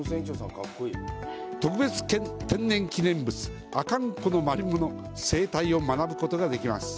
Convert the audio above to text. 特別天然記念物「阿寒湖のマリモ」の生態を学ぶことができます。